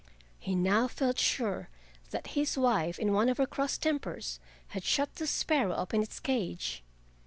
He now felt sure that his wife, in one of her cross tempers, had shut the sparrow up in its cage.